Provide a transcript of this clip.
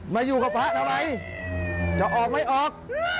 มาอยู่กับพระทำไมจะออกไม่ออก